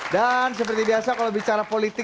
dan seperti biasa kalau bicara politik